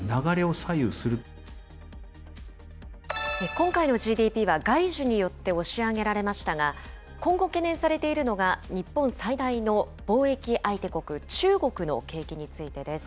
今回のＧＤＰは外需によって押し上げられましたが、今後懸念されているのが、日本最大の貿易相手国、中国の景気についてです。